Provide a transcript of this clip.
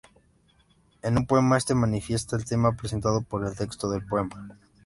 En un poema, este manifiesta el tema presentado por el texto del poema.